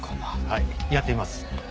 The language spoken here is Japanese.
はいやってみます。